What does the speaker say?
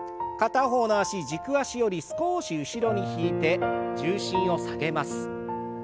片方の脚軸足より少し後ろに引いて重心を下げます。